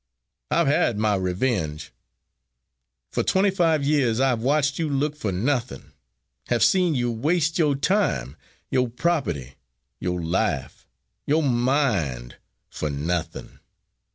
I have had my revenge! For twenty five years I have watched you look for nothing; have seen you waste your time, your property, your life, your mind for nothing!